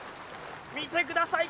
見てください。